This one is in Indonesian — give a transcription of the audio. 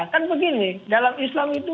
kan begini dalam islam itu